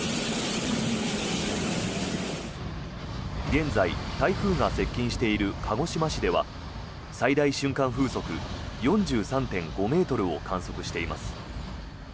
現在、台風が接近している鹿児島市では最大瞬間風速４３．５ｍを観測しています。